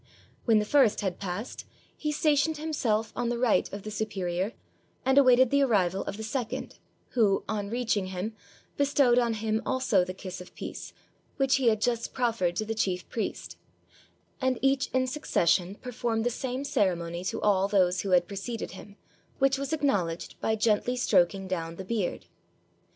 When the first had passed, he stationed himself on the right of the superior, and awaited the arrival of the sec ond, who, on reaching him, bestowed on him also the kiss of peace, which he had just proffered to the chief priest; and each in succession performed the same cere mony to all those who had preceded him, which was acknowledged by gently stroking down the beard.